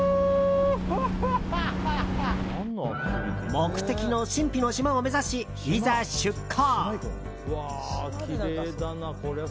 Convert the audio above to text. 目的の神秘の島を目指しいざ、出航。